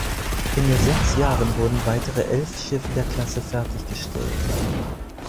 In nur sechs Jahren wurden weitere elf Schiffe der Klasse fertiggestellt.